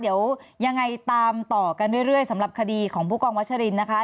เดี๋ยวยังไงตามต่อกันเรื่อยสำหรับคดีของผู้กองวัชรินนะคะ